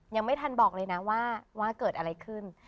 ยังไม่ทันบอกเลยนะว่าเกิดอะไรขึ้น